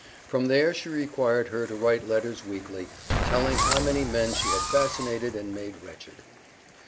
From there she required her to write letters weekly, telling how many men she had fascinated and made wretched.